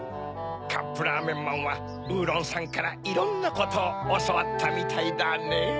カップラーメンマンはウーロンさんからいろんなことをおそわったみたいだねぇ。